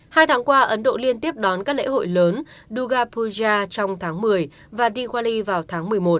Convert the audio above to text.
hai tháng qua ấn độ liên tiếp đón các lễ hội lớn duga puja trong tháng một mươi và diwali vào tháng một mươi một